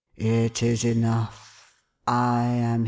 " It is enough. I am here.